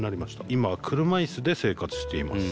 今は車椅子で生活しています。